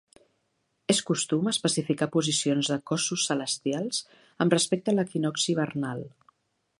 És costum especificar posicions de cossos celestials amb respecte equinocci vernal.